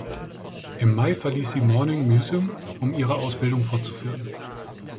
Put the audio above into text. Im Mai verließ sie Morning Musume, um ihre Ausbildung fortzuführen.